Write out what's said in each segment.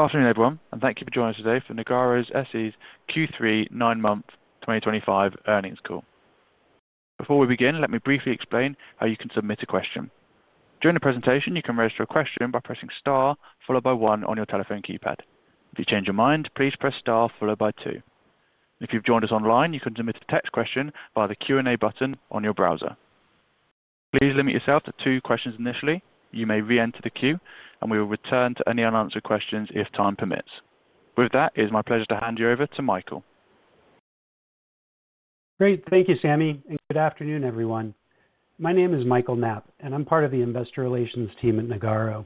Afternoon, everyone, and thank you for joining us today for Nagarro SE's Q3, 9-month, 2025 earnings call. Before we begin, let me briefly explain how you can submit a question. During the presentation, you can register a question by pressing star followed by one on your telephone keypad. If you change your mind, please press star followed by two. If you've joined us online, you can submit a text question via the Q&A button on your browser. Please limit yourself to two questions initially. You may re-enter the queue, and we will return to any unanswered questions if time permits. With that, it is my pleasure to hand you over to Michael. Great. Thank you, Sammy, and good afternoon, everyone. My name is Michael Knapp, and I'm part of the investor relations team at Nagarro.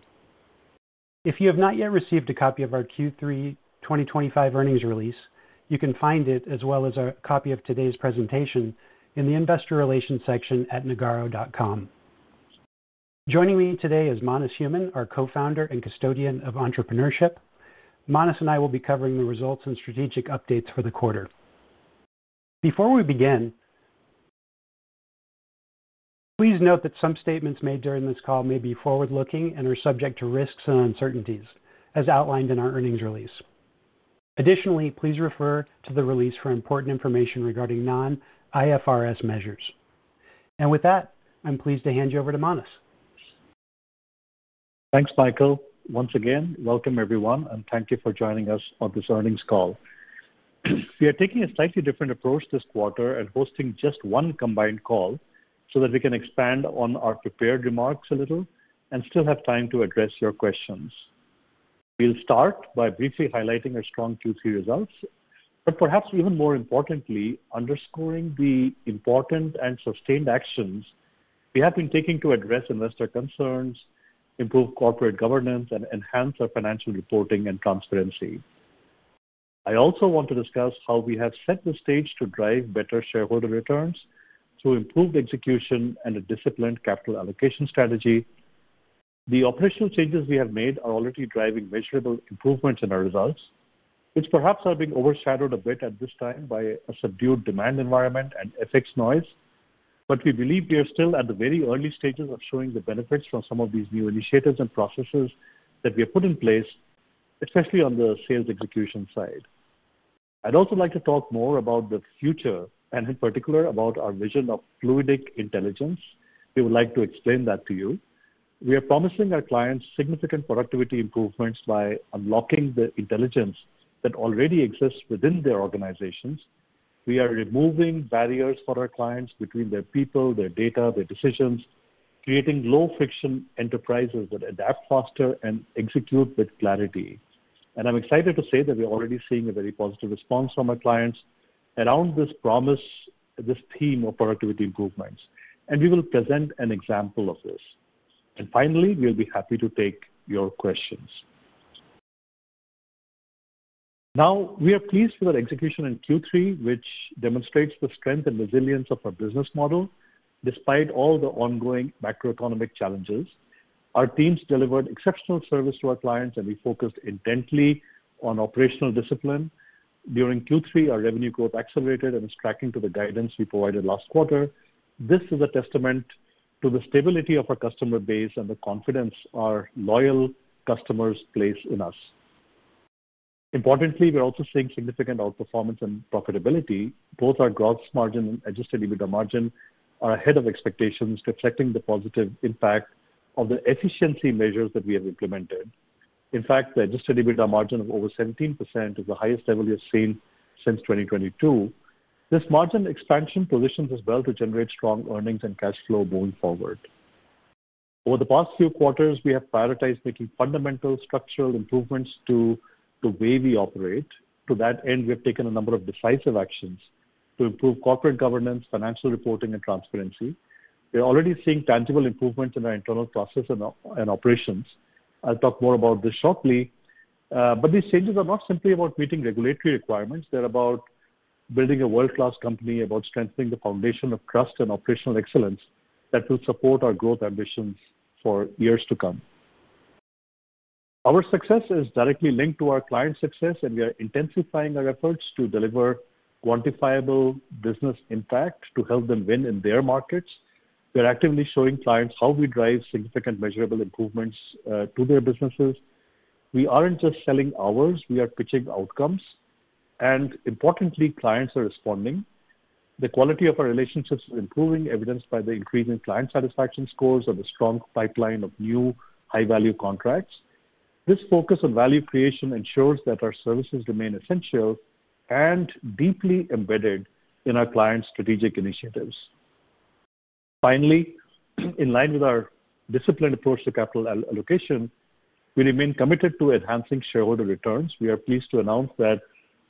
If you have not yet received a copy of our Q3 2025 earnings release, you can find it, as well as a copy of today's presentation, in the investor relations section at nagarro.com. Joining me today is Manas Human, our Co-founder and Custodian of Entrepreneurship. Manas and I will be covering the results and strategic updates for the quarter. Before we begin, please note that some statements made during this call may be forward-looking and are subject to risks and uncertainties, as outlined in our earnings release. Additionally, please refer to the release for important information regarding non-IFRS measures. With that, I'm pleased to hand you over to Manas. Thanks, Michael. Once again, welcome everyone, and thank you for joining us on this earnings call. We are taking a slightly different approach this quarter and hosting just one combined call so that we can expand on our prepared remarks a little and still have time to address your questions. We'll start by briefly highlighting our strong Q3 results, but perhaps even more importantly, underscoring the important and sustained actions we have been taking to address investor concerns, improve corporate governance, and enhance our financial reporting and transparency. I also want to discuss how we have set the stage to drive better shareholder returns through improved execution and a disciplined capital allocation strategy. The operational changes we have made are already driving measurable improvements in our results, which perhaps are being overshadowed a bit at this time by a subdued demand environment and ethics noise, but we believe we are still at the very early stages of showing the benefits from some of these new initiatives and processes that we have put in place, especially on the sales execution side. I'd also like to talk more about the future and, in particular, about our vision of fluidic intelligence. We would like to explain that to you. We are promising our clients significant productivity improvements by unlocking the intelligence that already exists within their organizations. We are removing barriers for our clients between their people, their data, their decisions, creating low-friction enterprises that adapt faster and execute with clarity. I'm excited to say that we're already seeing a very positive response from our clients around this promise, this theme of productivity improvements. We will present an example of this. Finally, we'll be happy to take your questions. Now, we are pleased with our execution in Q3, which demonstrates the strength and resilience of our business model despite all the ongoing macroeconomic challenges. Our teams delivered exceptional service to our clients, and we focused intently on operational discipline. During Q3, our revenue growth accelerated and is tracking to the guidance we provided last quarter. This is a testament to the stability of our customer base and the confidence our loyal customers place in us. Importantly, we're also seeing significant outperformance and profitability. Both our gross margin and adjusted EBITDA margin are ahead of expectations, reflecting the positive impact of the efficiency measures that we have implemented. In fact, the adjusted EBITDA margin of over 17% is the highest level we have seen since 2022. This margin expansion positions us well to generate strong earnings and cash flow moving forward. Over the past few quarters, we have prioritized making fundamental structural improvements to the way we operate. To that end, we have taken a number of decisive actions to improve corporate governance, financial reporting, and transparency. We're already seeing tangible improvements in our internal processes and operations. I'll talk more about this shortly. These changes are not simply about meeting regulatory requirements. They're about building a world-class company, about strengthening the foundation of trust and operational excellence that will support our growth ambitions for years to come. Our success is directly linked to our client success, and we are intensifying our efforts to deliver quantifiable business impact to help them win in their markets. We're actively showing clients how we drive significant measurable improvements to their businesses. We aren't just selling ours. We are pitching outcomes. Importantly, clients are responding. The quality of our relationships is improving, evidenced by the increase in client satisfaction scores and the strong pipeline of new high-value contracts. This focus on value creation ensures that our services remain essential and deeply embedded in our clients' strategic initiatives. Finally, in line with our disciplined approach to capital allocation, we remain committed to enhancing shareholder returns. We are pleased to announce that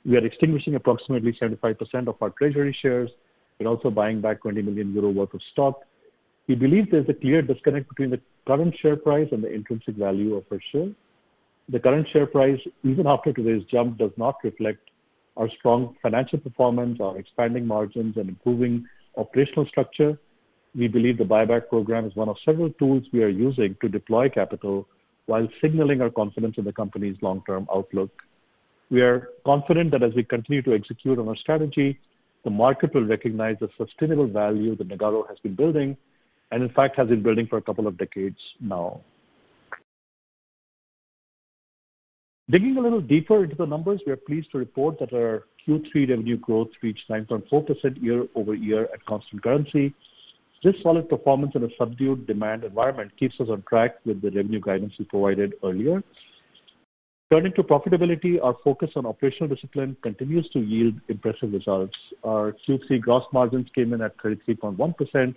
we are extinguishing approximately 75% of our treasury shares and also buying back 20 million euro worth of stock. We believe there's a clear disconnect between the current share price and the intrinsic value of our shares. The current share price, even after today's jump, does not reflect our strong financial performance, our expanding margins, and improving operational structure. We believe the buyback program is one of several tools we are using to deploy capital while signaling our confidence in the company's long-term outlook. We are confident that as we continue to execute on our strategy, the market will recognize the sustainable value that Nagarro has been building and, in fact, has been building for a couple of decades now. Digging a little deeper into the numbers, we are pleased to report that our Q3 revenue growth reached 9.4% year over year at constant currency. This solid performance in a subdued demand environment keeps us on track with the revenue guidance we provided earlier. Turning to profitability, our focus on operational discipline continues to yield impressive results. Our Q3 gross margins came in at 33.1%,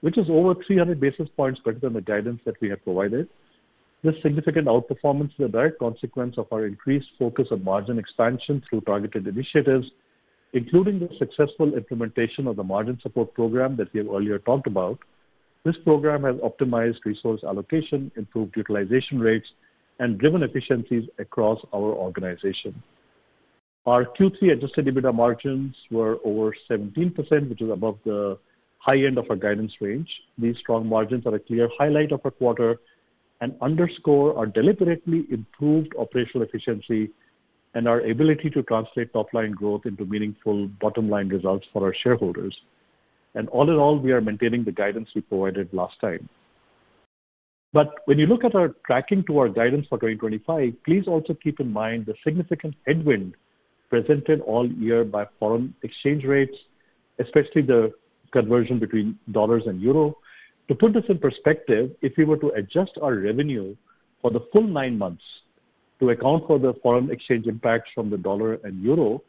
which is over 300 basis points better than the guidance that we had provided. This significant outperformance is a direct consequence of our increased focus on margin expansion through targeted initiatives, including the successful implementation of the margin support program that we have earlier talked about. This program has optimized resource allocation, improved utilization rates, and driven efficiencies across our organization. Our Q3 adjusted EBITDA margins were over 17%, which is above the high end of our guidance range. These strong margins are a clear highlight of our quarter and underscore our deliberately improved operational efficiency and our ability to translate top-line growth into meaningful bottom-line results for our shareholders. All in all, we are maintaining the guidance we provided last time. When you look at our tracking to our guidance for 2025, please also keep in mind the significant headwind presented all year by foreign exchange rates, especially the conversion between dollars and euro. To put this in perspective, if we were to adjust our revenue for the full nine months to account for the foreign exchange impacts from the dollar and euro,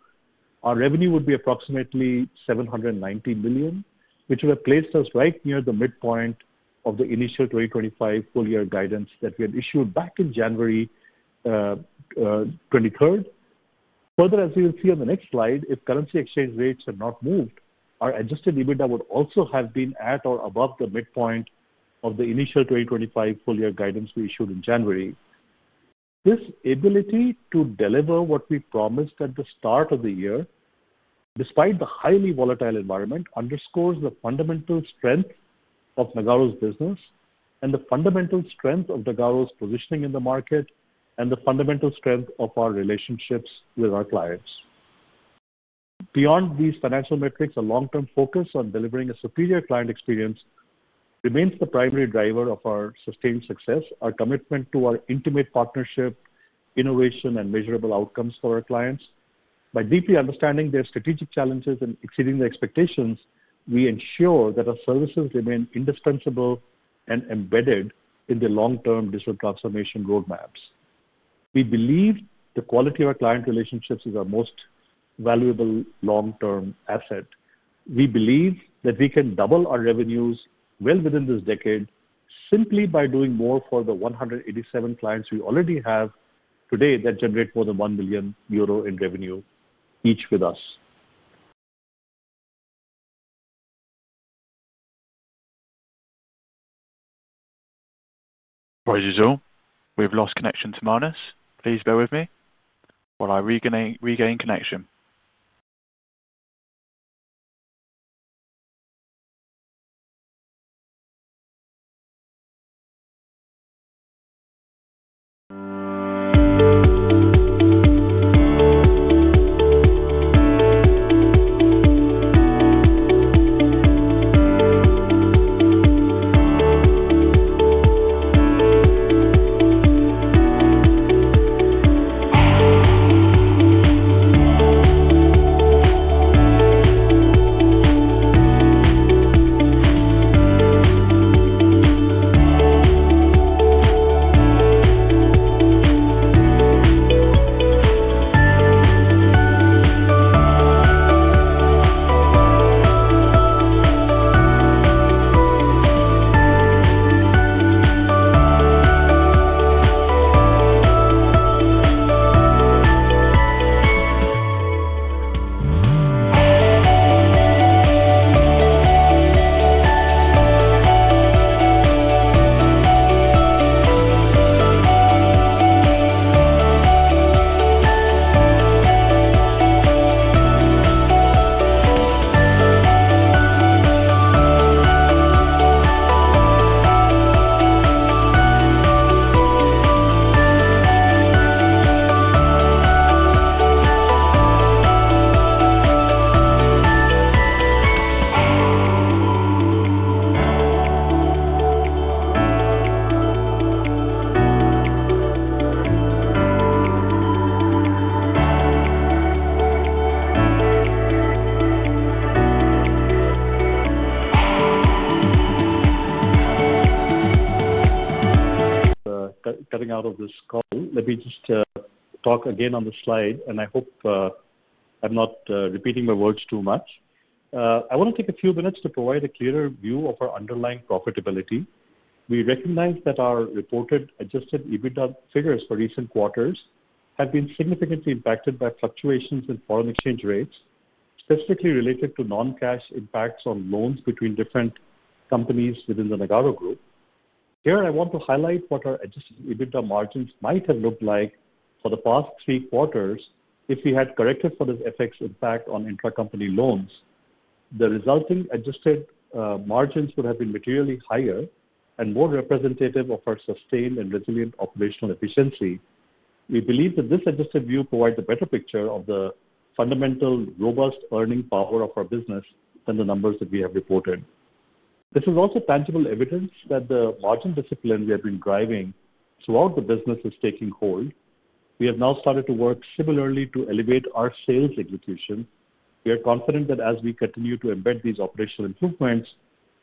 our revenue would be approximately 790 million, which would have placed us right near the midpoint of the initial 2025 full-year guidance that we had issued back in January 23rd. Further, as you will see on the next slide, if currency exchange rates had not moved, our adjusted EBITDA would also have been at or above the midpoint of the initial 2025 full-year guidance we issued in January. This ability to deliver what we promised at the start of the year, despite the highly volatile environment, underscores the fundamental strength of Nagarro's business and the fundamental strength of Nagarro's positioning in the market and the fundamental strength of our relationships with our clients. Beyond these financial metrics, a long-term focus on delivering a superior client experience remains the primary driver of our sustained success, our commitment to our intimate partnership, innovation, and measurable outcomes for our clients. By deeply understanding their strategic challenges and exceeding their expectations, we ensure that our services remain indispensable and embedded in the long-term digital transformation roadmaps. We believe the quality of our client relationships is our most valuable long-term asset. We believe that we can double our revenues well within this decade simply by doing more for the 187 clients we already have today that generate more than 1 million euro in revenue each with us. Apologies all. We've lost connection to Manas. Please bear with me while I regain connection. Getting out of this call, let me just talk again on the slide, and I hope I'm not repeating my words too much. I want to take a few minutes to provide a clearer view of our underlying profitability. We recognize that our reported adjusted EBITDA figures for recent quarters have been significantly impacted by fluctuations in foreign exchange rates, specifically related to non-cash impacts on loans between different companies within the Nagarro Group. Here, I want to highlight what our adjusted EBITDA margins might have looked like for the past three quarters. If we had corrected for the effects impact on intra-company loans, the resulting adjusted margins would have been materially higher and more representative of our sustained and resilient operational efficiency. We believe that this adjusted view provides a better picture of the fundamental robust earning power of our business than the numbers that we have reported. This is also tangible evidence that the margin discipline we have been driving throughout the business is taking hold. We have now started to work similarly to elevate our sales execution. We are confident that as we continue to embed these operational improvements,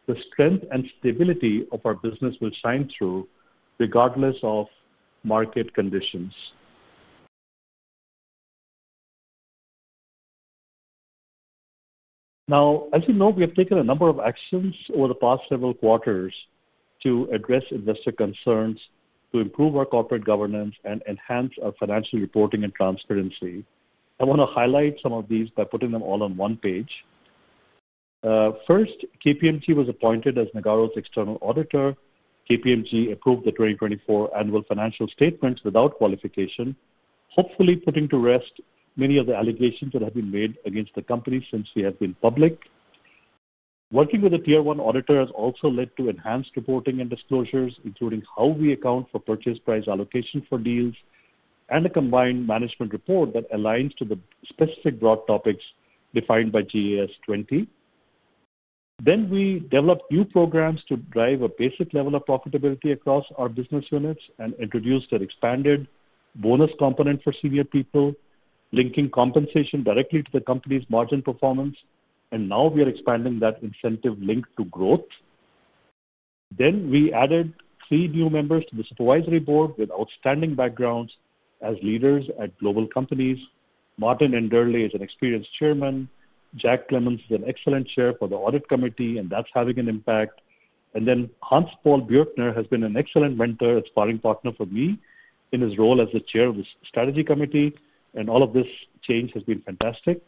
the strength and stability of our business will shine through regardless of market conditions. Now, as you know, we have taken a number of actions over the past several quarters to address investor concerns, to improve our corporate governance, and enhance our financial reporting and transparency. I want to highlight some of these by putting them all on one page. First, KPMG was appointed as Nagarro's external auditor. KPMG approved the 2024 annual financial statements without qualification, hopefully putting to rest many of the allegations that have been made against the company since we have been public. Working with a tier-one auditor has also led to enhanced reporting and disclosures, including how we account for purchase price allocation for deals and a combined management report that aligns to the specific broad topics defined by GAS 20. We developed new programs to drive a basic level of profitability across our business units and introduced an expanded bonus component for senior people, linking compensation directly to the company's margin performance. Now, we are expanding that incentive link to growth. We added three new members to the supervisory board with outstanding backgrounds as leaders at global companies. Martin Endurley is an experienced chairman. Jack Clemmons is an excellent chair for the audit committee, and that's having an impact. Hans-Paul Bürkner has been an excellent mentor, aspiring partner for me in his role as the chair of the strategy committee. All of this change has been fantastic.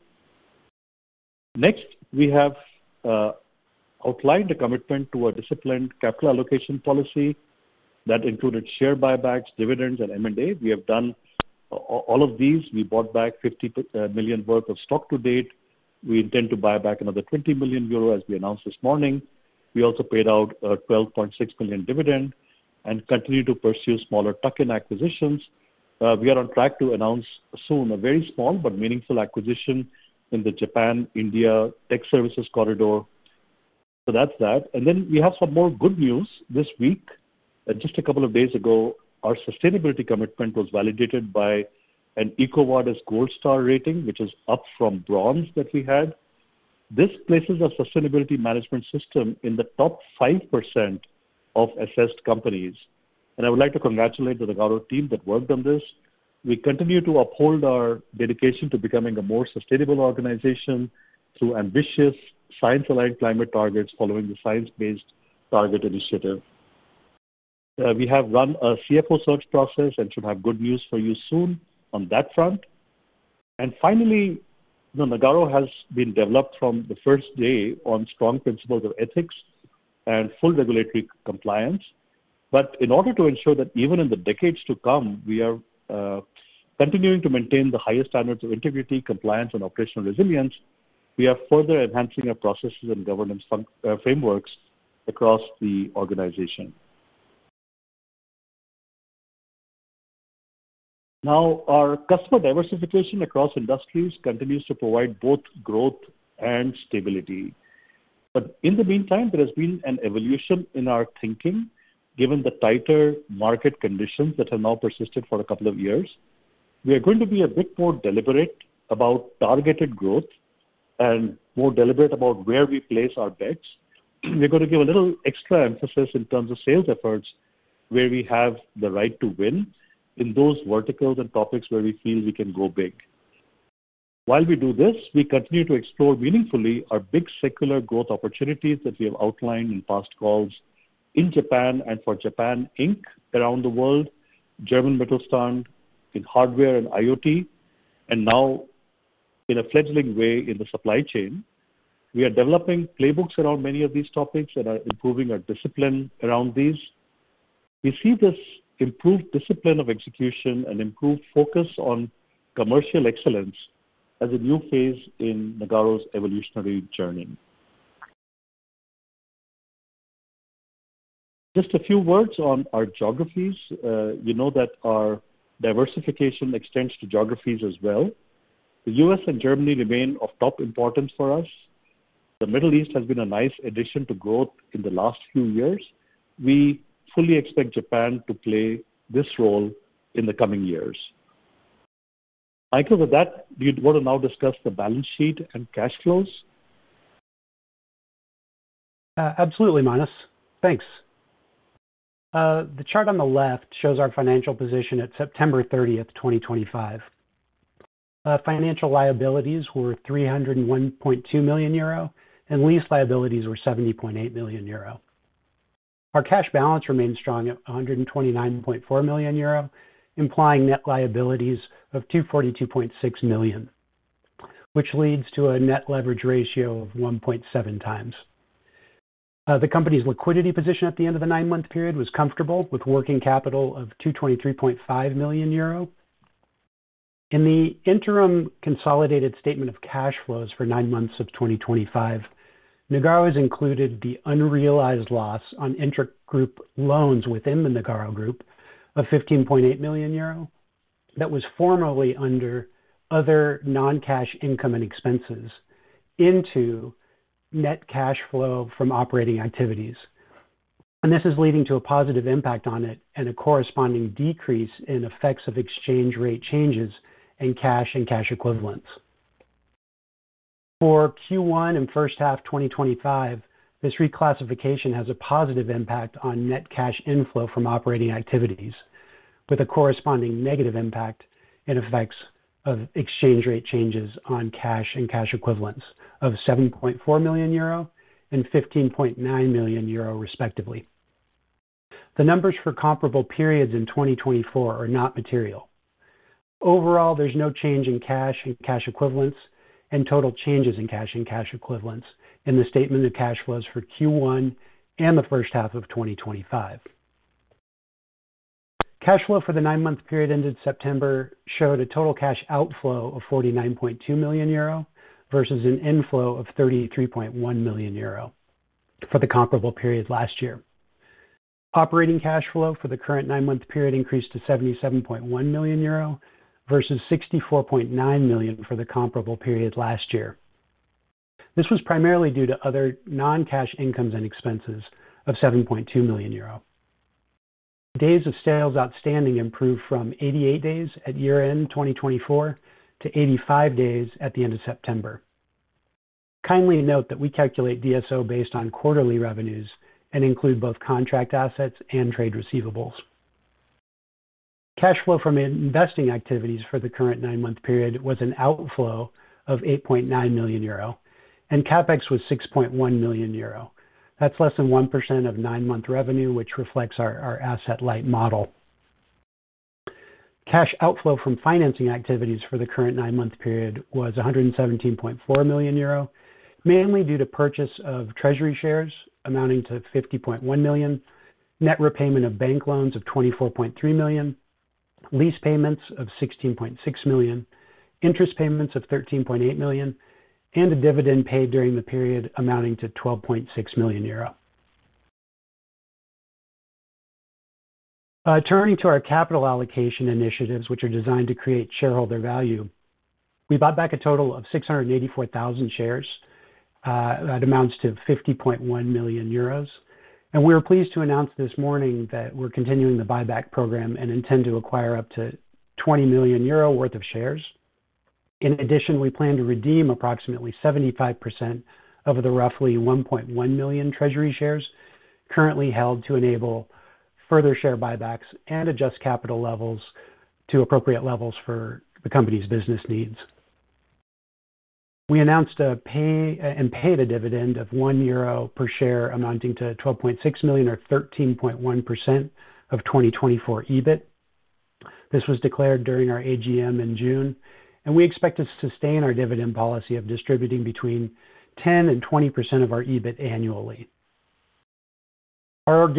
Next, we have outlined a commitment to a disciplined capital allocation policy that included share buybacks, dividends, and M&A. We have done all of these. We bought back 50 million worth of stock to date. We intend to buy back another 20 million euro as we announced this morning. We also paid out a 12.6 million dividend and continue to pursue smaller tuck-in acquisitions. We are on track to announce soon a very small but meaningful acquisition in the Japan-India Tech Services Corridor. That is that. Then, we have some more good news this week. Just a couple of days ago, our sustainability commitment was validated by an EcoVadis Gold Star rating, which is up from bronze that we had. This places our sustainability management system in the top 5% of assessed companies. I would like to congratulate the Nagarro team that worked on this. We continue to uphold our dedication to becoming a more sustainable organization through ambitious science-aligned climate targets following the Science-Based Targets Initiative. We have run a CFO search process and should have good news for you soon on that front. Finally, Nagarro has been developed from the first day on strong principles of ethics and full regulatory compliance. In order to ensure that even in the decades to come, we are continuing to maintain the highest standards of integrity, compliance, and operational resilience, we are further enhancing our processes and governance frameworks across the organization. Our customer diversification across industries continues to provide both growth and stability. In the meantime, there has been an evolution in our thinking given the tighter market conditions that have now persisted for a couple of years. We are going to be a bit more deliberate about targeted growth and more deliberate about where we place our bets. We're going to give a little extra emphasis in terms of sales efforts where we have the right to win in those verticals and topics where we feel we can go big. While we do this, we continue to explore meaningfully our big secular growth opportunities that we have outlined in past calls in Japan and for Japan Inc. around the world, German Mittelstand in hardware and IoT, and now in a fledgling way in the supply chain. We are developing playbooks around many of these topics and are improving our discipline around these. We see this improved discipline of execution and improved focus on commercial excellence as a new phase in Nagarro's evolutionary journey. Just a few words on our geographies. You know that our diversification extends to geographies as well. The U.S. and Germany remain of top importance for us. The Middle East has been a nice addition to growth in the last few years. We fully expect Japan to play this role in the coming years. Michael, with that, you'd want to now discuss the balance sheet and cash flows. Absolutely, Manas. Thanks. The chart on the left shows our financial position at September 30, 2025. Financial liabilities were 301.2 million euro and lease liabilities were 70.8 million euro. Our cash balance remains strong at 129.4 million euro, implying net liabilities of 242.6 million, which leads to a net leverage ratio of 1.7 times. The company's liquidity position at the end of the nine-month period was comfortable with working capital of 223.5 million euro. In the interim consolidated statement of cash flows for nine months of 2025, Nagarro has included the unrealized loss on inter-group loans within the Nagarro Group of 15.8 million euro that was formerly under other non-cash income and expenses into net cash flow from operating activities. This is leading to a positive impact on it and a corresponding decrease in effects of exchange rate changes in cash and cash equivalents. For Q1 and first half 2025, this reclassification has a positive impact on net cash inflow from operating activities with a corresponding negative impact in effects of exchange rate changes on cash and cash equivalents of 7.4 million euro and 15.9 million euro, respectively. The numbers for comparable periods in 2024 are not material. Overall, there's no change in cash and cash equivalents and total changes in cash and cash equivalents in the statement of cash flows for Q1 and the first half of 2025. Cash flow for the nine-month period ended September showed a total cash outflow of 49.2 million euro versus an inflow of 33.1 million euro for the comparable period last year. Operating cash flow for the current nine-month period increased to 77.1 million euro versus 64.9 million for the comparable period last year. This was primarily due to other non-cash incomes and expenses of 7.2 million euro. Days of sales outstanding improved from 88 days at year-end 2024 to 85 days at the end of September. Kindly note that we calculate DSO based on quarterly revenues and include both contract assets and trade receivables. Cash flow from investing activities for the current nine-month period was an outflow of 8.9 million euro, and CapEx was 6.1 million euro. That's less than 1% of nine-month revenue, which reflects our asset-light model. Cash outflow from financing activities for the current nine-month period was 117.4 million euro, mainly due to purchase of treasury shares amounting to 50.1 million, net repayment of bank loans of 24.3 million, lease payments of 16.6 million, interest payments of 13.8 million, and a dividend paid during the period amounting to 12.6 million euro. Turning to our capital allocation initiatives, which are designed to create shareholder value, we bought back a total of 684,000 shares that amounts to 50.1 million euros. We are pleased to announce this morning that we're continuing the buyback program and intend to acquire up to 20 million euro worth of shares. In addition, we plan to redeem approximately 75% of the roughly 1.1 million treasury shares currently held to enable further share buybacks and adjust capital levels to appropriate levels for the company's business needs. We announced and paid a dividend of 1 euro per share amounting to 12.6 million or 13.1% of 2024 EBIT. This was declared during our AGM in June. We expect to sustain our dividend policy of distributing between 10% and 20% of our EBIT annually. Our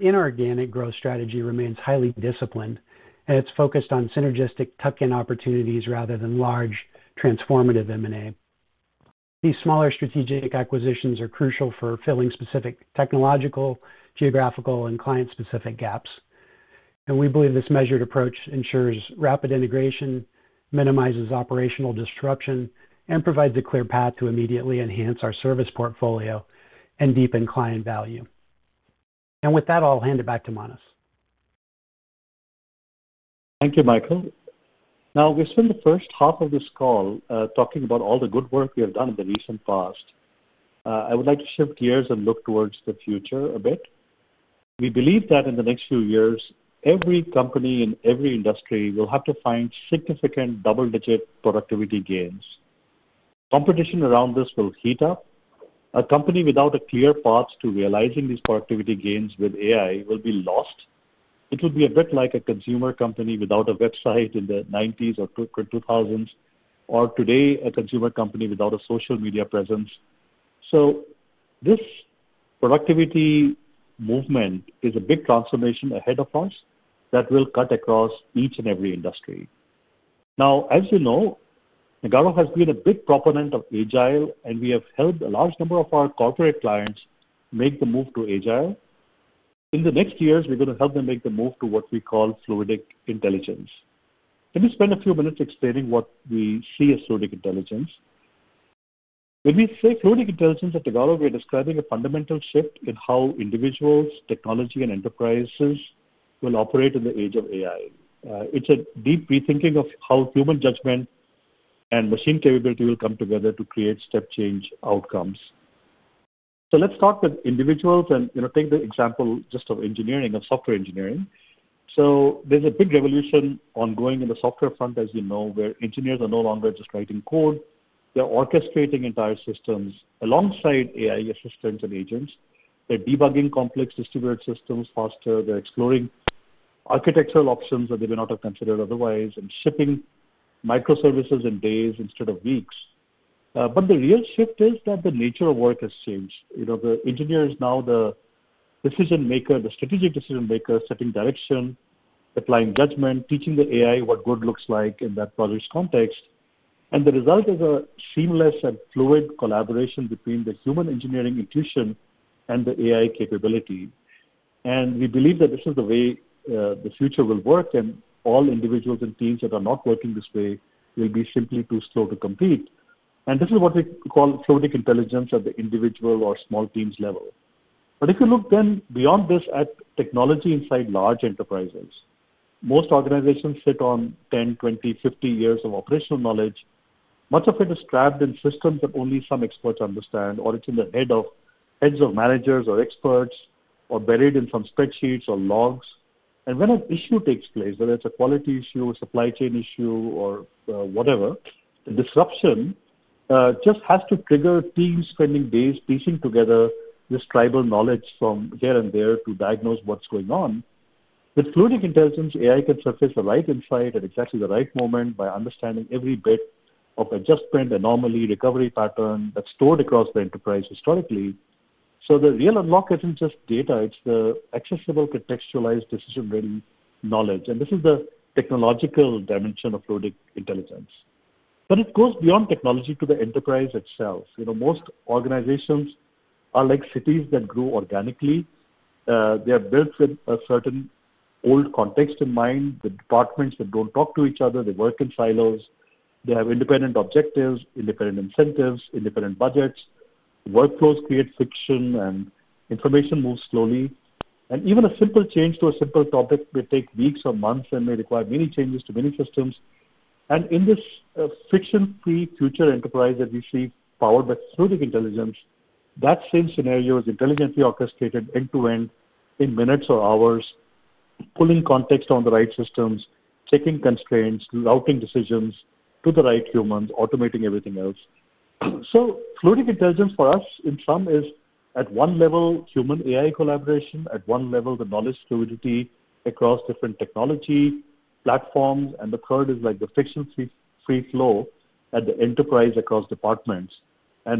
inorganic growth strategy remains highly disciplined, and it's focused on synergistic tuck-in opportunities rather than large transformative M&A. These smaller strategic acquisitions are crucial for filling specific technological, geographical, and client-specific gaps. We believe this measured approach ensures rapid integration, minimizes operational disruption, and provides a clear path to immediately enhance our service portfolio and deepen client value. With that, I'll hand it back to Manas. Thank you, Michael. Now, we spent the first half of this call talking about all the good work we have done in the recent past. I would like to shift gears and look towards the future a bit. We believe that in the next few years, every company in every industry will have to find significant double-digit productivity gains. Competition around this will heat up. A company without a clear path to realizing these productivity gains with AI will be lost. It will be a bit like a consumer company without a website in the 1990s or 2000s or today, a consumer company without a social media presence. This productivity movement is a big transformation ahead of us that will cut across each and every industry. Now, as you know, Nagarro has been a big proponent of agile, and we have helped a large number of our corporate clients make the move to agile. In the next years, we're going to help them make the move to what we call fluidic intelligence. Let me spend a few minutes explaining what we see as fluidic intelligence. When we say fluidic intelligence at Nagarro, we're describing a fundamental shift in how individuals, technology, and enterprises will operate in the age of AI. It's a deep rethinking of how human judgment and machine capability will come together to create step-change outcomes. Let's start with individuals and take the example just of engineering, of software engineering. There's a big revolution ongoing in the software front, as you know, where engineers are no longer just writing code. They're orchestrating entire systems alongside AI assistants and agents. They're debugging complex distributed systems faster. They're exploring architectural options that they would not have considered otherwise and shipping microservices in days instead of weeks. The real shift is that the nature of work has changed. The engineer is now the decision-maker, the strategic decision-maker, setting direction, applying judgment, teaching the AI what good looks like in that polished context. The result is a seamless and fluid collaboration between the human engineering intuition and the AI capability. We believe that this is the way the future will work. All individuals and teams that are not working this way will be simply too slow to compete. This is what we call fluidic intelligence at the individual or small teams level. If you look then beyond this at technology inside large enterprises, most organizations sit on 10, 20, 50 years of operational knowledge. Much of it is trapped in systems that only some experts understand, or it's in the heads of managers or experts or buried in some spreadsheets or logs. When an issue takes place, whether it's a quality issue, a supply chain issue, or whatever, the disruption just has to trigger teams spending days piecing together this tribal knowledge from here and there to diagnose what's going on. With Fluidic Intelligence, AI can surface the right insight at exactly the right moment by understanding every bit of adjustment, anomaly, recovery pattern that's stored across the enterprise historically. The real unlock isn't just data; it's the accessible, contextualized, decision-ready knowledge. This is the technological dimension of Fluidic Intelligence. It goes beyond technology to the enterprise itself. Most organizations are like cities that grow organically. They are built with a certain old context in mind. The departments that do not talk to each other, they work in silos. They have independent objectives, independent incentives, independent budgets. Workflows create friction, and information moves slowly. Even a simple change to a simple topic may take weeks or months and may require many changes to many systems. In this friction-free future enterprise that we see powered by fluidic intelligence, that same scenario is intelligently orchestrated end-to-end in minutes or hours, pulling context on the right systems, checking constraints, routing decisions to the right humans, automating everything else. Fluidic intelligence for us, in sum, is at one level Human-AI collaboration, at one level the knowledge fluidity across different technology platforms, and the third is like the friction-free flow at the enterprise across departments.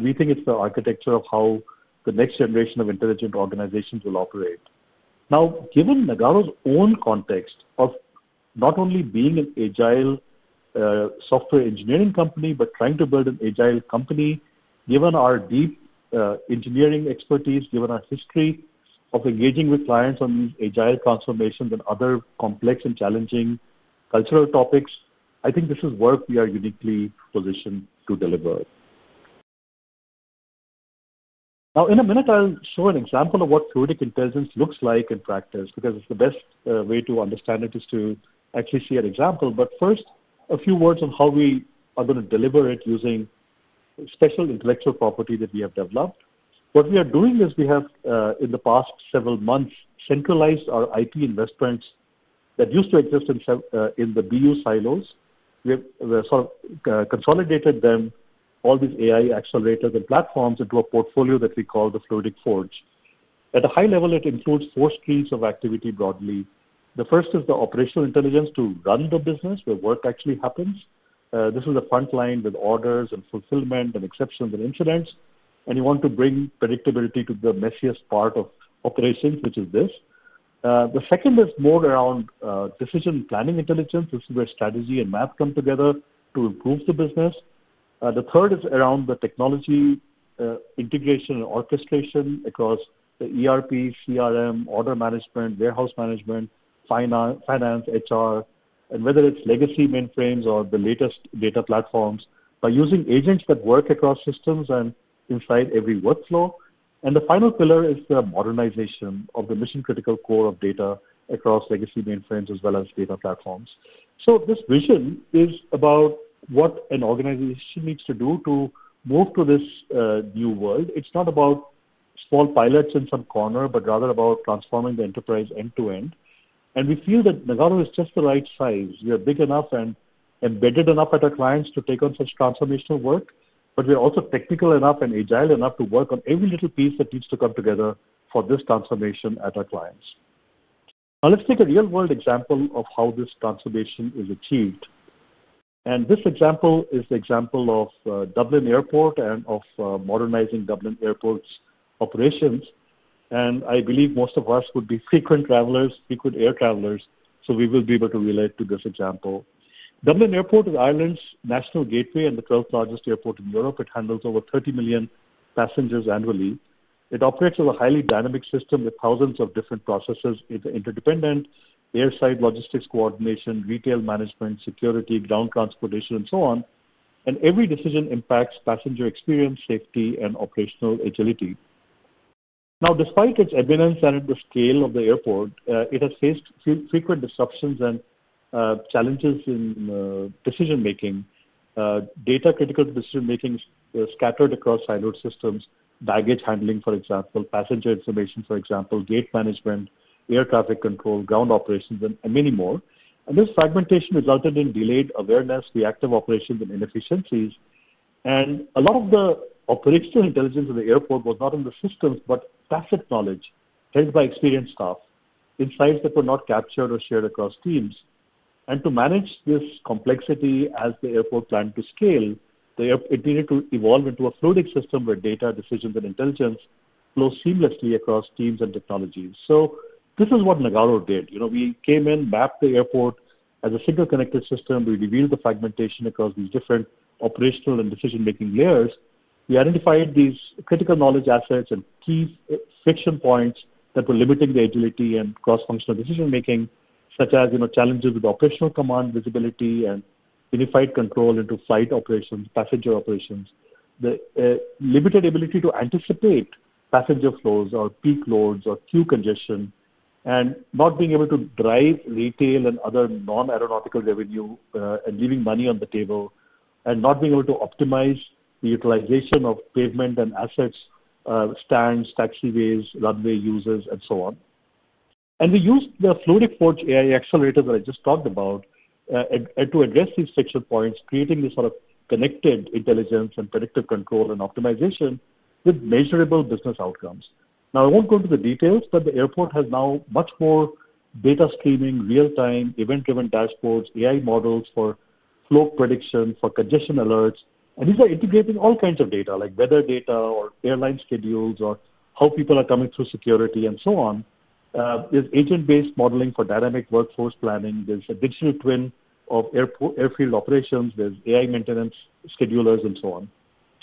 We think it is the architecture of how the next generation of intelligent organizations will operate. Now, given Nagarro's own context of not only being an agile software engineering company, but trying to build an agile company, given our deep engineering expertise, given our history of engaging with clients on these agile transformations and other complex and challenging cultural topics, I think this is work we are uniquely positioned to deliver. In a minute, I'll show an example of what fluidic intelligence looks like in practice because the best way to understand it is to actually see an example. First, a few words on how we are going to deliver it using special intellectual property that we have developed. What we are doing is we have, in the past several months, centralized our IT investments that used to exist in the BU silos. We have sort of consolidated them, all these AI accelerators and platforms into a portfolio that we call the Fluidic Forge. At a high level, it includes four streams of activity broadly. The first is the operational intelligence to run the business where work actually happens. This is the front line with orders and fulfillment and exceptions and incidents. You want to bring predictability to the messiest part of operations, which is this. The second is more around decision planning intelligence. This is where strategy and math come together to improve the business. The third is around the technology integration and orchestration across the ERP, CRM, order management, warehouse management, finance, HR, and whether it is legacy mainframes or the latest data platforms by using agents that work across systems and inside every workflow. The final pillar is the modernization of the mission-critical core of data across legacy mainframes as well as data platforms. This vision is about what an organization needs to do to move to this new world. It's not about small pilots in some corner, but rather about transforming the enterprise end-to-end. We feel that Nagarro is just the right size. We are big enough and embedded enough at our clients to take on such transformational work, but we are also technical enough and agile enough to work on every little piece that needs to come together for this transformation at our clients. Now, let's take a real-world example of how this transformation is achieved. This example is the example of Dublin Airport and of modernizing Dublin Airport's operations. I believe most of us would be frequent travelers, frequent air travelers, so we will be able to relate to this example. Dublin Airport is Ireland's national gateway and the 12th largest airport in Europe. It handles over 30 million passengers annually. It operates as a highly dynamic system with thousands of different processes interdependent: airside logistics, coordination, retail management, security, ground transportation, and so on. Every decision impacts passenger experience, safety, and operational agility. Now, despite its eminence and the scale of the airport, it has faced frequent disruptions and challenges in decision-making. Data critical to decision-making is scattered across siloed systems, baggage handling, for example, passenger information, for example, gate management, air traffic control, ground operations, and many more. This fragmentation resulted in delayed awareness, reactive operations, and inefficiencies. A lot of the operational intelligence of the airport was not in the systems, but passive knowledge held by experienced staff, insights that were not captured or shared across teams. To manage this complexity as the airport planned to scale, it needed to evolve into a fluidic system where data, decisions, and intelligence flow seamlessly across teams and technologies. This is what Nagarro did. We came in, mapped the airport as a single connected system. We revealed the fragmentation across these different operational and decision-making layers. We identified these critical knowledge assets and key friction points that were limiting the agility and cross-functional decision-making, such as challenges with operational command, visibility, and unified control into flight operations, passenger operations, the limited ability to anticipate passenger flows or peak loads or queue congestion, and not being able to drive retail and other non-aeronautical revenue and leaving money on the table, and not being able to optimize the utilization of pavement and assets, stands, taxiways, runway users, and so on. We used the Fluidic Forge AI accelerator that I just talked about to address these friction points, creating this sort of connected intelligence and predictive control and optimization with measurable business outcomes. I will not go into the details, but the airport has now much more data streaming, real-time event-driven dashboards, AI models for flow prediction, for congestion alerts. These are integrating all kinds of data, like weather data or airline schedules or how people are coming through security and so on. There is agent-based modeling for dynamic workforce planning. There is a digital twin of airfield operations. There are AI maintenance schedulers and so on.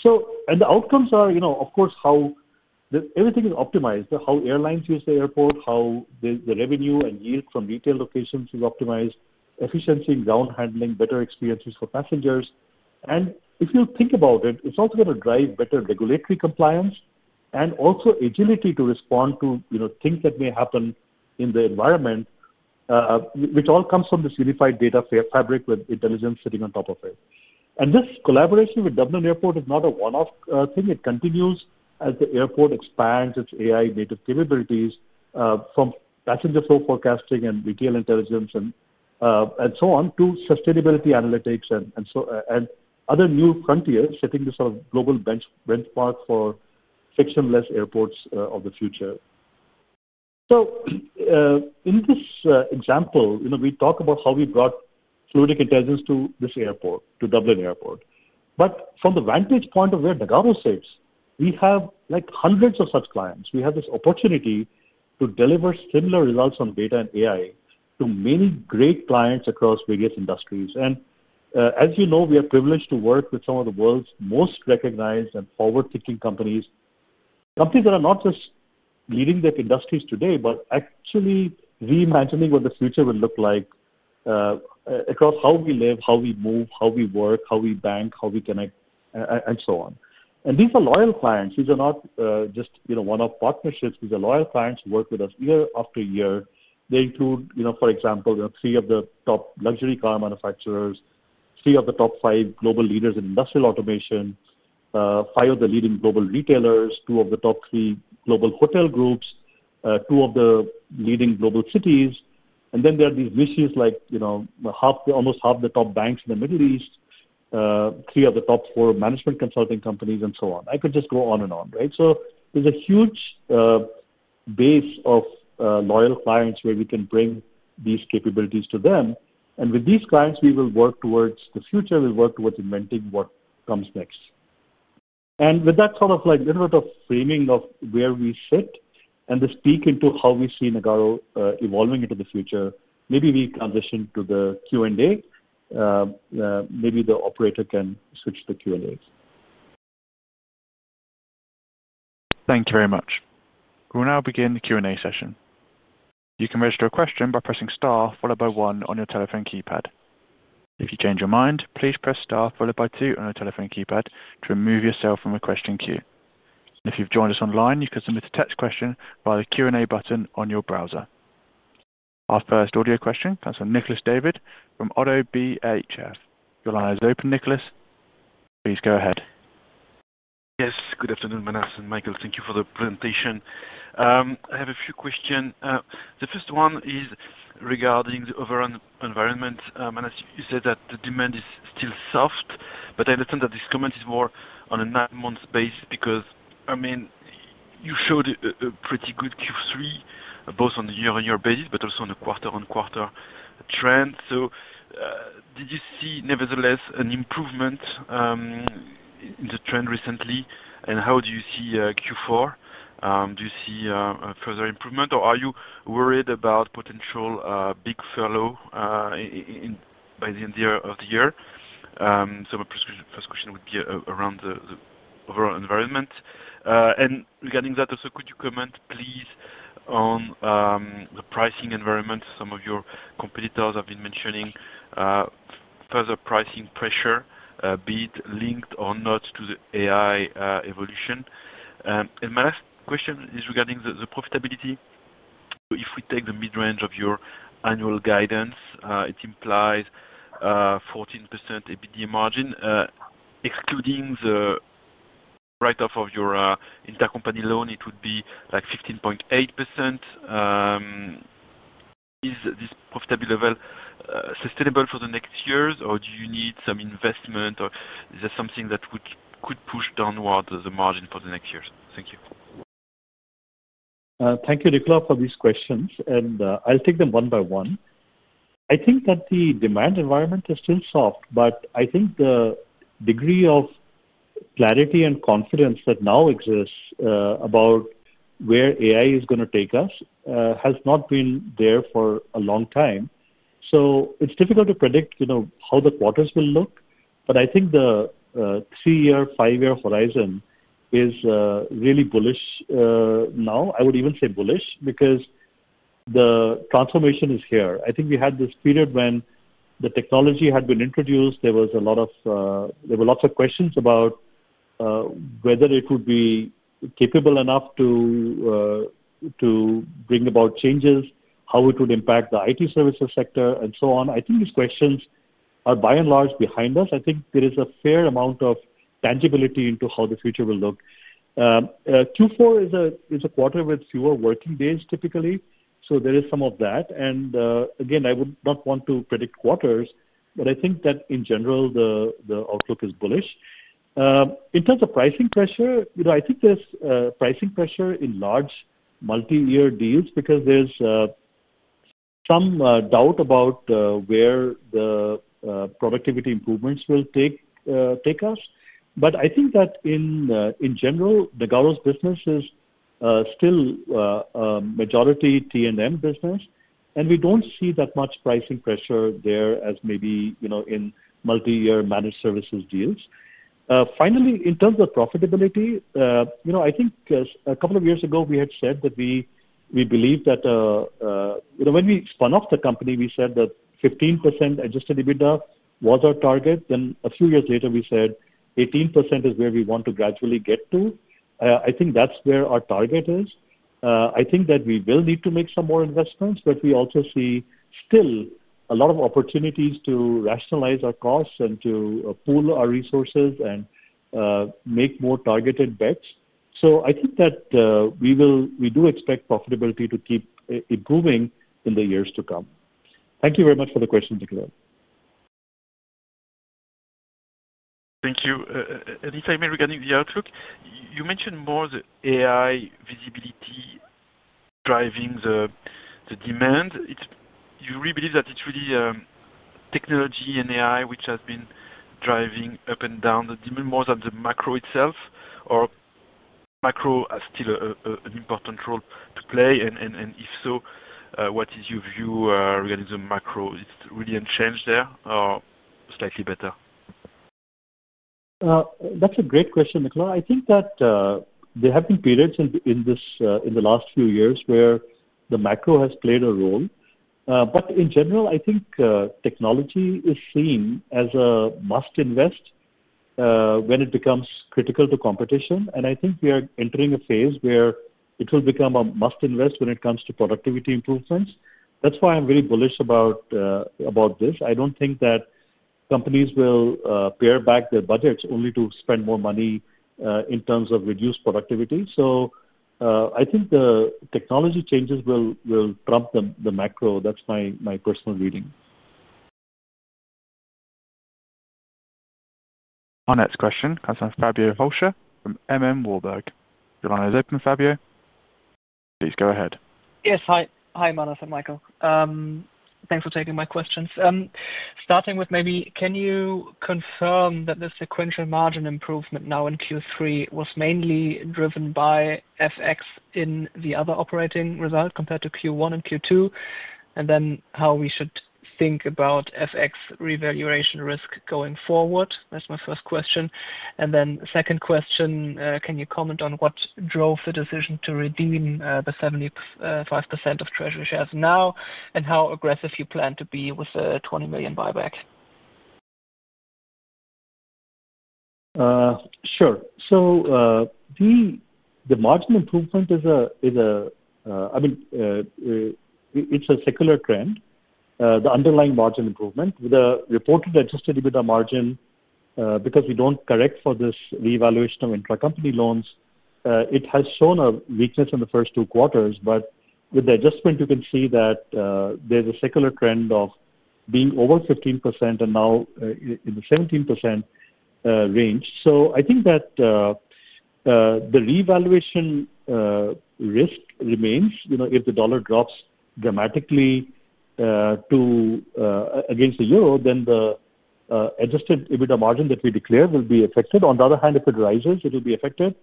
The outcomes are, of course, how everything is optimized, how airlines use the airport, how the revenue and yield from retail locations is optimized, efficiency in ground handling, better experiences for passengers. If you think about it, it's also going to drive better regulatory compliance and also agility to respond to things that may happen in the environment, which all comes from this unified data fabric with intelligence sitting on top of it. This collaboration with Dublin Airport is not a one-off thing. It continues as the airport expands its AI-native capabilities from passenger flow forecasting and retail intelligence and so on to sustainability analytics and other new frontiers, setting this sort of global benchmark for frictionless airports of the future. In this example, we talk about how we brought Fluidic Intelligence to this airport, to Dublin Airport. From the vantage point of where Nagarro sits, we have hundreds of such clients. We have this opportunity to deliver similar results on data and AI to many great clients across various industries. As you know, we are privileged to work with some of the world's most recognized and forward-thinking companies, companies that are not just leading their industries today, but actually reimagining what the future will look like across how we live, how we move, how we work, how we bank, how we connect, and so on. These are loyal clients. These are not just one-off partnerships. These are loyal clients who work with us year after year. They include, for example, three of the top luxury car manufacturers, three of the top five global leaders in industrial automation, five of the leading global retailers, two of the top three global hotel groups, two of the leading global cities. There are these niches like almost half the top banks in the Middle East, three of the top four management consulting companies, and so on. I could just go on and on, right? There is a huge base of loyal clients where we can bring these capabilities to them. With these clients, we will work towards the future. We will work towards inventing what comes next. With that sort of little bit of framing of where we sit and the speak into how we see Nagarro evolving into the future, maybe we transition to the Q&A. Maybe the operator can switch to the Q&A. Thank you very much. We will now begin the Q&A session. You can register a question by pressing star followed by one on your telephone keypad. If you change your mind, please press star followed by two on your telephone keypad to remove yourself from the question queue. If you've joined us online, you can submit a text question via the Q&A button on your browser. Our first audio question comes from Nicolas David from ODDO BHF. Your line is open, Nicolas. Please go ahead. Yes, good afternoon, Manas and Michael. Thank you for the presentation. I have a few questions. The first one is regarding the overall environment. You said that the demand is still soft, but I understand that this comment is more on a nine-month base because, I mean, you showed a pretty good Q3, both on the year-on-year basis, but also on the quarter-on-quarter trend. Did you see nevertheless an improvement in the trend recently? How do you see Q4? Do you see further improvement, or are you worried about potential big furlough by the end of the year? My first question would be around the overall environment. Regarding that, could you comment, please, on the pricing environment? Some of your competitors have been mentioning further pricing pressure, be it linked or not to the AI evolution. My last question is regarding the profitability. If we take the mid-range of your annual guidance, it implies 14% EBITDA margin. Excluding the write-off of your intercompany loan, it would be like 15.8%. Is this profitability level sustainable for the next years, or do you need some investment, or is there something that could push downwards the margin for the next years? Thank you. Thank you, Nicolas, for these questions. I'll take them one by one. I think that the demand environment is still soft, but I think the degree of clarity and confidence that now exists about where AI is going to take us has not been there for a long time. It is difficult to predict how the quarters will look, but I think the three-year, five-year horizon is really bullish now. I would even say bullish because the transformation is here. I think we had this period when the technology had been introduced. There were lots of questions about whether it would be capable enough to bring about changes, how it would impact the IT services sector, and so on. I think these questions are by and large behind us. I think there is a fair amount of tangibility into how the future will look. Q4 is a quarter with fewer working days, typically. There is some of that. I would not want to predict quarters, but I think that in general, the outlook is bullish. In terms of pricing pressure, I think there is pricing pressure in large multi-year deals because there is some doubt about where the productivity improvements will take us. I think that in general, Nagarro's business is still majority T&M business, and we do not see that much pricing pressure there as maybe in multi-year managed services deals. Finally, in terms of profitability, I think a couple of years ago, we had said that we believe that when we spun off the company, we said that 15% adjusted EBITDA was our target. A few years later, we said 18% is where we want to gradually get to. I think that is where our target is. I think that we will need to make some more investments, but we also see still a lot of opportunities to rationalize our costs and to pool our resources and make more targeted bets. I think that we do expect profitability to keep improving in the years to come. Thank you very much for the question, Nicolas. Thank you. If I may, regarding the outlook, you mentioned more the AI visibility driving the demand. You really believe that it's really technology and AI which has been driving up and down the demand more than the macro itself, or macro has still an important role to play? If so, what is your view regarding the macro? Is it really unchanged there or slightly better? That's a great question, Nicolas. I think that there have been periods in the last few years where the macro has played a role. In general, I think technology is seen as a must-invest when it becomes critical to competition. I think we are entering a phase where it will become a must-invest when it comes to productivity improvements. That's why I'm very bullish about this. I do not think that companies will pare back their budgets only to spend more money in terms of reduced productivity. I think the technology changes will trump the macro. That's my personal reading. Our next question comes from Fabio Holscher from M.M.Warburg. Your line is open, Fabio. Please go ahead. Yes. Hi, Manas and Michael. Thanks for taking my questions. Starting with maybe, can you confirm that the sequential margin improvement now in Q3 was mainly driven by FX in the other operating result compared to Q1 and Q2? How should we think about FX revaluation risk going forward? That's my first question. My second question, can you comment on what drove the decision to redeem the 75% of treasury shares now and how aggressive you plan to be with the 20 million buyback? Sure. So the margin improvement is a, I mean, it's a secular trend, the underlying margin improvement. The reported adjusted EBITDA margin, because we don't correct for this revaluation of intracompany loans, it has shown a weakness in the first two quarters. But with the adjustment, you can see that there's a secular trend of being over 15% and now in the 17% range. I think that the revaluation risk remains. If the dollar drops dramatically against the euro, then the adjusted EBITDA margin that we declare will be affected. On the other hand, if it rises, it will be affected.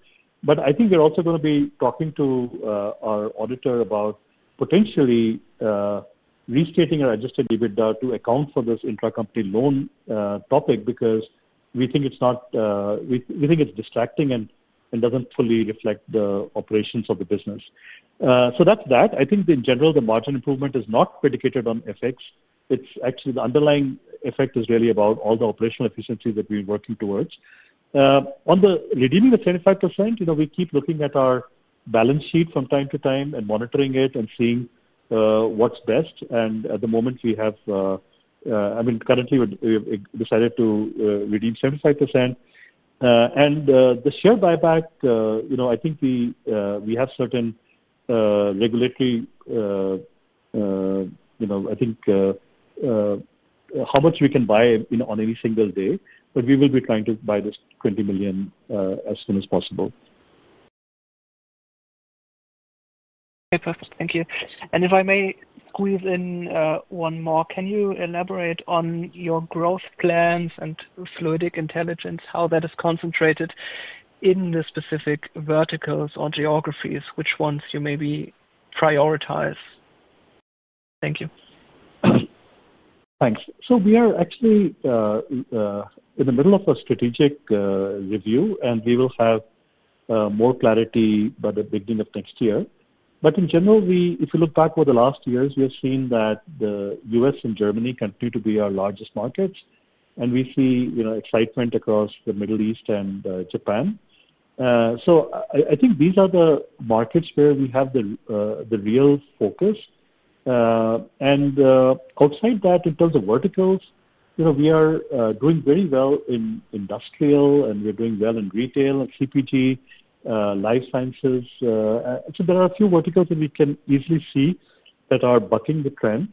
I think we're also going to be talking to our auditor about potentially restating our adjusted EBITDA to account for this intracompany loan topic because we think it's not, we think it's distracting and doesn't fully reflect the operations of the business. That's that. I think in general, the margin improvement is not predicated on FX. It's actually the underlying effect is really about all the operational efficiencies that we're working towards. On the redeeming the 75%, we keep looking at our balance sheet from time to time and monitoring it and seeing what's best. At the moment, we have, I mean, currently, we've decided to redeem 75%. The share buyback, I think we have certain regulatory, I think how much we can buy on any single day, but we will be trying to buy this 20 million as soon as possible. Okay, perfect. Thank you. If I may squeeze in one more, can you elaborate on your growth plans and Fluidic Intelligence, how that is concentrated in the specific verticals or geographies, which ones you maybe prioritize? Thank you. Thanks. We are actually in the middle of a strategic review, and we will have more clarity by the beginning of next year. In general, if you look back over the last years, we have seen that the U.S. and Germany continue to be our largest markets, and we see excitement across the Middle East and Japan. I think these are the markets where we have the real focus. Outside that, in terms of verticals, we are doing very well in industrial, and we're doing well in retail and CPG, life sciences. There are a few verticals that we can easily see that are bucking the trend.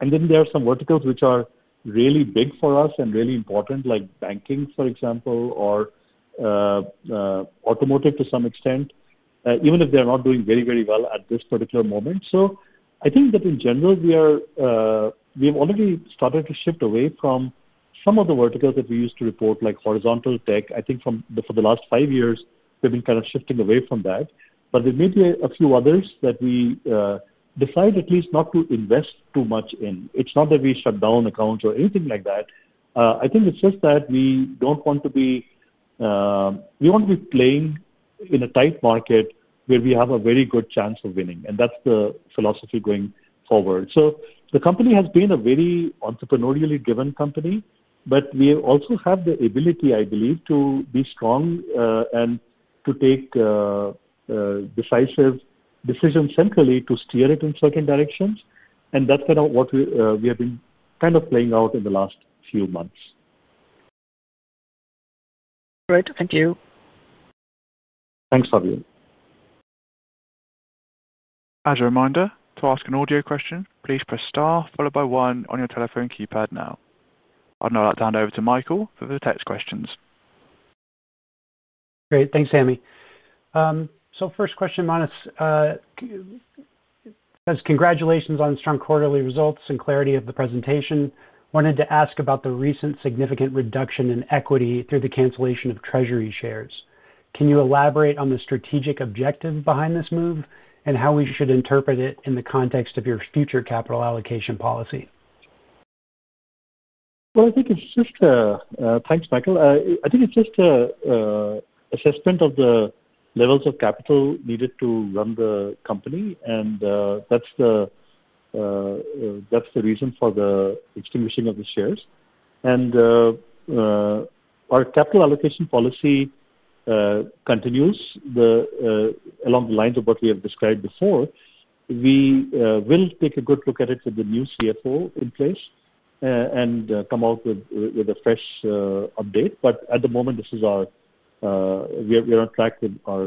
There are some verticals which are really big for us and really important, like banking, for example, or automotive to some extent, even if they're not doing very, very well at this particular moment. I think that in general, we have already started to shift away from some of the verticals that we used to report, like horizontal tech. I think for the last five years, we've been kind of shifting away from that. There may be a few others that we decide at least not to invest too much in. It's not that we shut down accounts or anything like that. I think it's just that we don't want to be, we want to be playing in a tight market where we have a very good chance of winning. That's the philosophy going forward. The company has been a very entrepreneurially driven company, but we also have the ability, I believe, to be strong and to take decisive decisions centrally to steer it in certain directions. That is kind of what we have been kind of playing out in the last few months. Great. Thank you. Thanks, Fabio. As a reminder, to ask an audio question, please press star followed by one on your telephone keypad now. I'll now let that hand over to Michael for the text questions. Great. Thanks, Sammy. First question, Manas, it says, "Congratulations on strong quarterly results and clarity of the presentation. Wanted to ask about the recent significant reduction in equity through the cancellation of treasury shares. Can you elaborate on the strategic objective behind this move and how we should interpret it in the context of your future capital allocation policy? I think it's just a, thanks, Michael. I think it's just an assessment of the levels of capital needed to run the company. That's the reason for the extinguishing of the shares. Our capital allocation policy continues along the lines of what we have described before. We will take a good look at it with the new CFO in place and come out with a fresh update. At the moment, we are on track with our, we're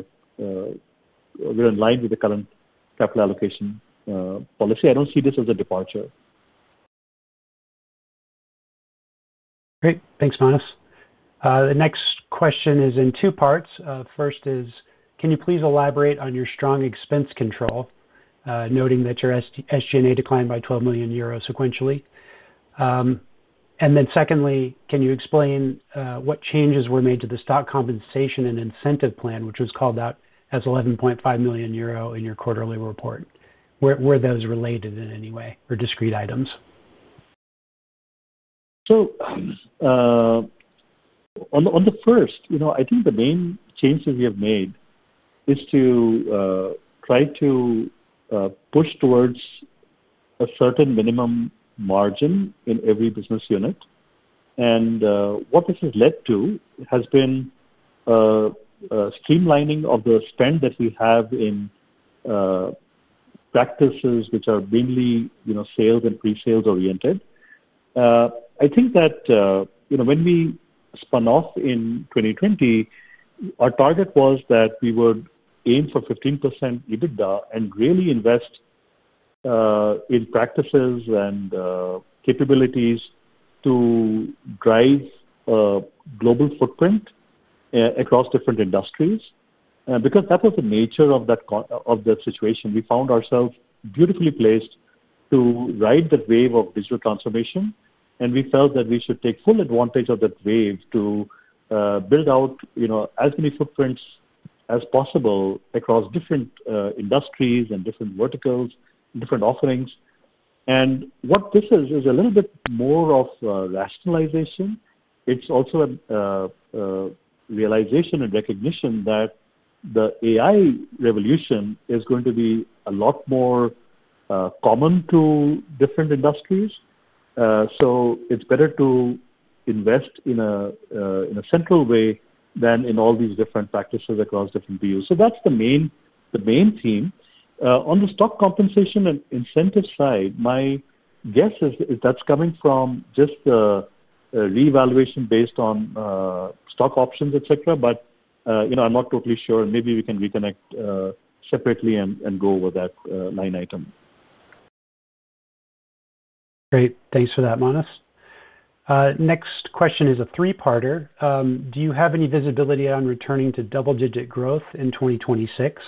in line with the current capital allocation policy. I don't see this as a departure. Great. Thanks, Manas. The next question is in two parts. First is, "Can you please elaborate on your strong expense control, noting that your SG&A declined by 12 million euros sequentially?" Then secondly, "Can you explain what changes were made to the stock compensation and incentive plan, which was called out as 11.5 million euro in your quarterly report? Were those related in any way or discrete items? I think the main change that we have made is to try to push towards a certain minimum margin in every business unit. What this has led to has been a streamlining of the spend that we have in practices which are mainly sales and pre-sales oriented. I think that when we spun off in 2020, our target was that we would aim for 15% EBITDA and really invest in practices and capabilities to drive a global footprint across different industries. Because that was the nature of the situation, we found ourselves beautifully placed to ride the wave of digital transformation. We felt that we should take full advantage of that wave to build out as many footprints as possible across different industries and different verticals, different offerings. What this is, is a little bit more of a rationalization. It's also a realization and recognition that the AI revolution is going to be a lot more common to different industries. It is better to invest in a central way than in all these different practices across different BUs. That is the main theme. On the stock compensation and incentive side, my guess is that's coming from just the revaluation based on stock options, etc. I'm not totally sure. Maybe we can reconnect separately and go over that line item. Great. Thanks for that, Manas. Next question is a three-parter. "Do you have any visibility on returning to double-digit growth in 2026?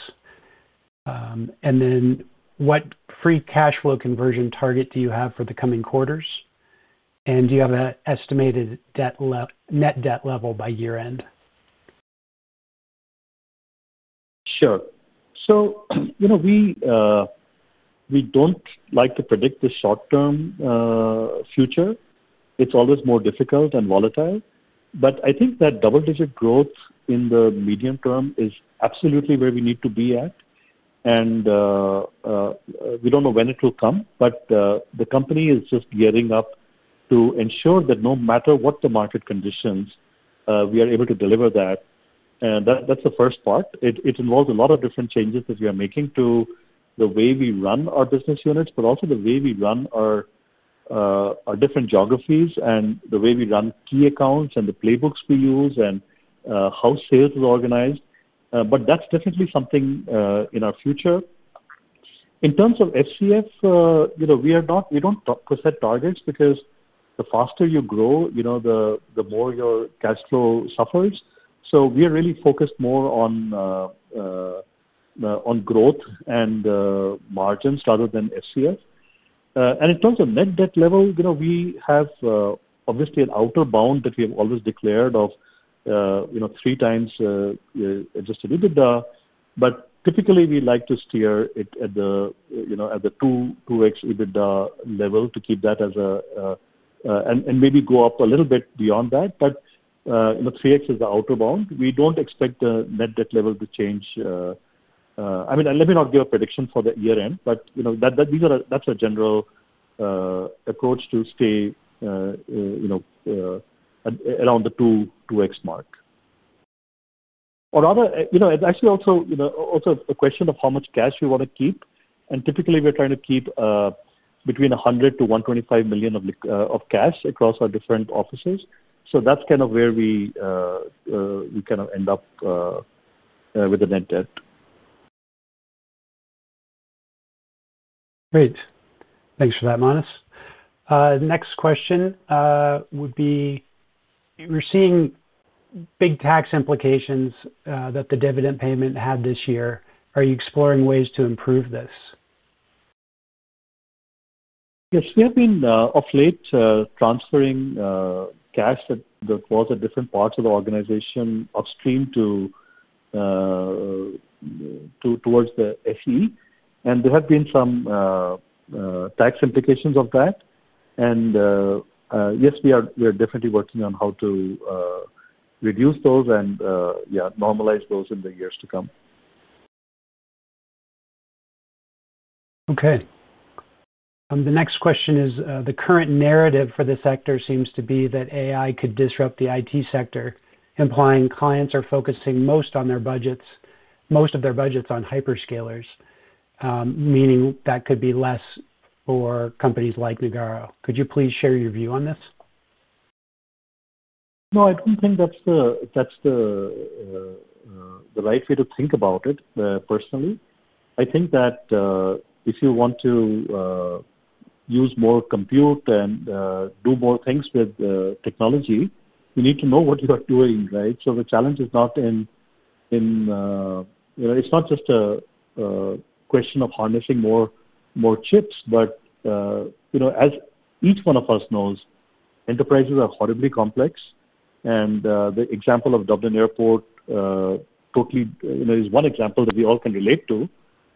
What free cash flow conversion target do you have for the coming quarters? Do you have an estimated net debt level by year-end? Sure. We do not like to predict the short-term future. It is always more difficult and volatile. I think that double-digit growth in the medium term is absolutely where we need to be at. We do not know when it will come, but the company is just gearing up to ensure that no matter what the market conditions, we are able to deliver that. That is the first part. It involves a lot of different changes that we are making to the way we run our business units, but also the way we run our different geographies and the way we run key accounts and the playbooks we use and how sales are organized. That is definitely something in our future. In terms of FCF, we do not set targets because the faster you grow, the more your cash flow suffers. We are really focused more on growth and margins rather than FCF. In terms of net debt level, we have obviously an outer bound that we have always declared of 3x adjusted EBITDA. Typically, we like to steer it at the 2x EBITDA level to keep that as a, and maybe go up a little bit beyond that. 3x is the outer bound. We do not expect the net debt level to change. I mean, let me not give a prediction for the year-end, but that is a general approach to stay around the 2x mark. It is actually also a question of how much cash we want to keep. Typically, we are trying to keep between 100 million-125 million of cash across our different offices. That is kind of where we end up with the net debt. Great. Thanks for that, Manas. Next question would be, "We're seeing big tax implications that the dividend payment had this year. Are you exploring ways to improve this? Yes. We have been of late transferring cash that was at different parts of the organization upstream towards the FE. There have been some tax implications of that. Yes, we are definitely working on how to reduce those and, yeah, normalize those in the years to come. Okay. The next question is, "The current narrative for the sector seems to be that AI could disrupt the IT sector, implying clients are focusing most of their budgets on hyperscalers, meaning that could be less for companies like Nagarro." Could you please share your view on this? No, I don't think that's the right way to think about it personally. I think that if you want to use more compute and do more things with technology, you need to know what you are doing, right? The challenge is not in, it's not just a question of harnessing more chips, but as each one of us knows, enterprises are horribly complex. The example of Dublin Airport totally is one example that we all can relate to.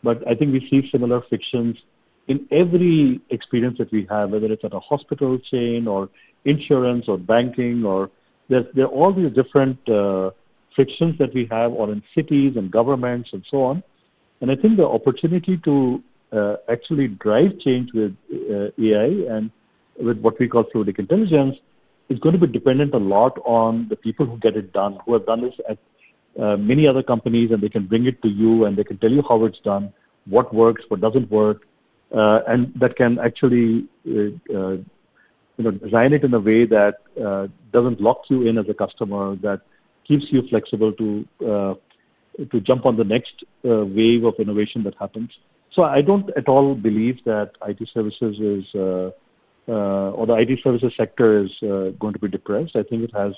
I think we see similar frictions in every experience that we have, whether it's at a hospital chain or insurance or banking. There are all these different frictions that we have on cities and governments and so on. I think the opportunity to actually drive change with AI and with what we call fluidic intelligence is going to be dependent a lot on the people who get it done, who have done this at many other companies, and they can bring it to you, and they can tell you how it's done, what works, what doesn't work, and that can actually design it in a way that doesn't lock you in as a customer, that keeps you flexible to jump on the next wave of innovation that happens. I don't at all believe that IT services is, or the IT services sector is going to be depressed. I think it has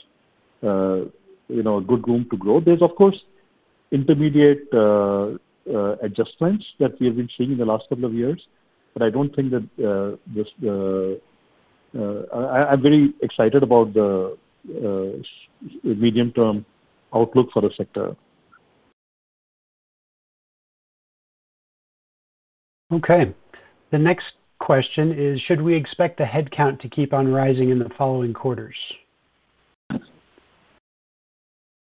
a good room to grow. There's, of course, intermediate adjustments that we have been seeing in the last couple of years, but I don't think that the, I'm very excited about the medium-term outlook for the sector. Okay. The next question is, "Should we expect the headcount to keep on rising in the following quarters?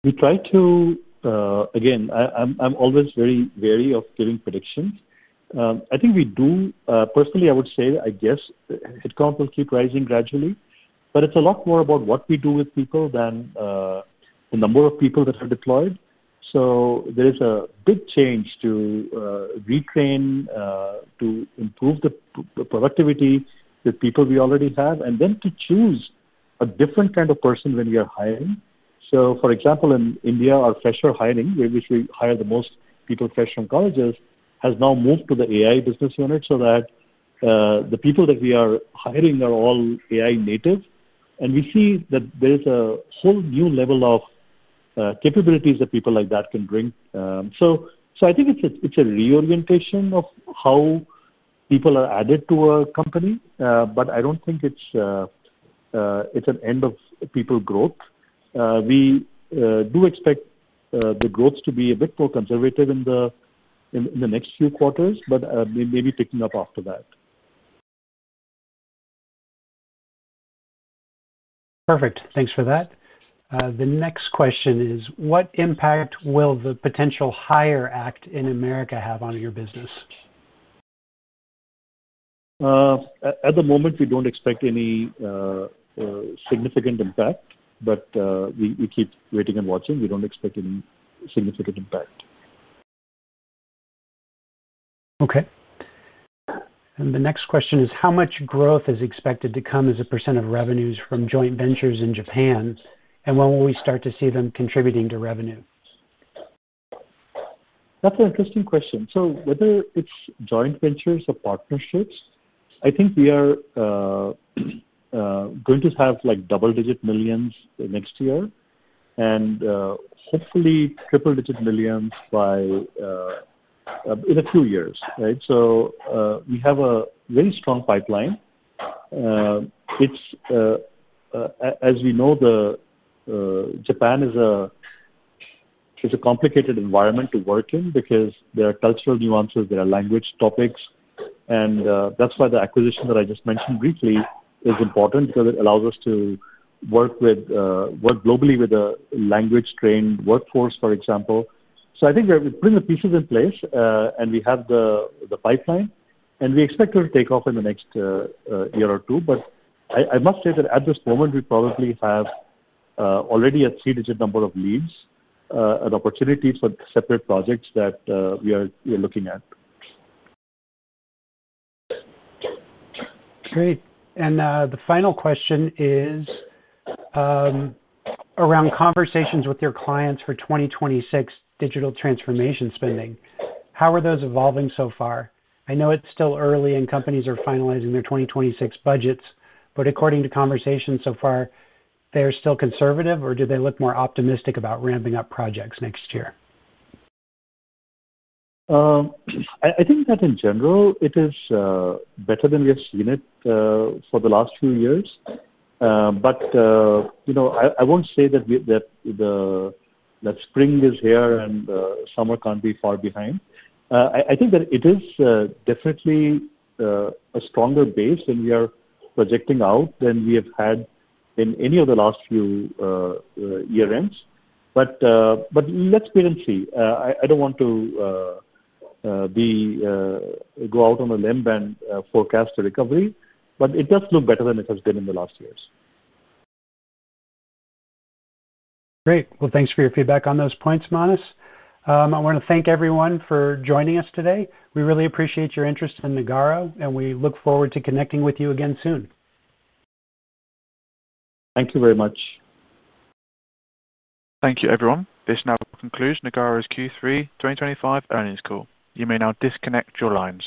We try to, again, I'm always very wary of giving predictions. I think we do, personally, I would say, I guess headcount will keep rising gradually, but it's a lot more about what we do with people than the number of people that are deployed. There is a big change to retrain, to improve the productivity with people we already have, and then to choose a different kind of person when we are hiring. For example, in India, our fresher hiring, which we hire the most people fresh from colleges, has now moved to the AI business unit so that the people that we are hiring are all AI native. We see that there is a whole new level of capabilities that people like that can bring. I think it's a reorientation of how people are added to a company, but I don't think it's an end of people growth. We do expect the growth to be a bit more conservative in the next few quarters, but maybe picking up after that. Perfect. Thanks for that. The next question is, "What impact will the potential HIRE Act in America have on your business? At the moment, we don't expect any significant impact, but we keep waiting and watching. We don't expect any significant impact. Okay. The next question is, "How much growth is expected to come as a percent of revenues from joint ventures in Japan? When will we start to see them contributing to revenue? That's an interesting question. Whether it's joint ventures or partnerships, I think we are going to have double-digit millions next year and hopefully triple-digit millions in a few years, right? We have a very strong pipeline. As we know, Japan is a complicated environment to work in because there are cultural nuances, there are language topics, and that's why the acquisition that I just mentioned briefly is important because it allows us to work globally with a language-trained workforce, for example. I think we're putting the pieces in place, and we have the pipeline, and we expect it to take off in the next year or two. I must say that at this moment, we probably have already a three-digit number of leads, an opportunity for separate projects that we are looking at. Great. The final question is around conversations with your clients for 2026 digital transformation spending. How are those evolving so far? I know it's still early and companies are finalizing their 2026 budgets, but according to conversations so far, are they still conservative, or do they look more optimistic about ramping up projects next year? I think that in general, it is better than we have seen it for the last few years. I won't say that spring is here and summer can't be far behind. I think that it is definitely a stronger base than we are projecting out than we have had in any of the last few year-ends. Let's wait and see. I don't want to go out on a limb and forecast a recovery, but it does look better than it has been in the last years. Great. Thanks for your feedback on those points, Manas. I want to thank everyone for joining us today. We really appreciate your interest in Nagarro, and we look forward to connecting with you again soon. Thank you very much. Thank you, everyone. This now concludes Nagarro's Q3 2025 earnings call. You may now disconnect your lines.